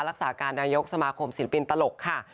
รักษาการนายกสมาคมศิลปินตลกค่ะ